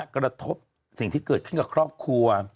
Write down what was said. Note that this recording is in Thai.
กระทบสิ่งที่เกิดขึ้นกับครอบครัว